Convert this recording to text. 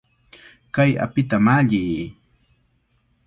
¡Kay apita malliy!